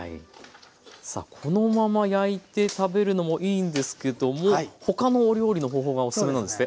さあこのまま焼いて食べるのもいいんですけども他のお料理の方法がおすすめなんですって。